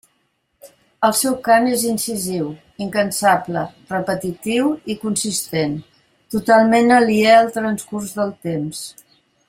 El seu cant és incisiu, incansable, repetitiu i consistent, totalment aliè al transcurs del temps.